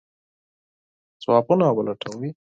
ځوابونه ولټوئ.